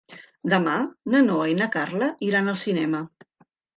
Demà na Noa i na Carla iran al cinema.